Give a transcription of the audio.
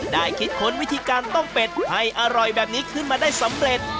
ได้คิดค้นวิธีการต้มเป็ดให้อร่อยแบบนี้ขึ้นมาได้สำเร็จ